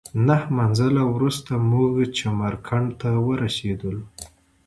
نهه منزله وروسته موږ چمرکنډ ته ورسېدلو.